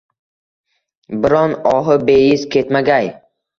Biron ohi beiz ketmagay